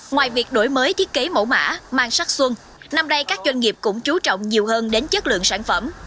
ngoài việc đổi mới thiết kế mẫu mã mang sắc xuân năm nay các doanh nghiệp cũng chú trọng nhiều hơn đến chất lượng sản phẩm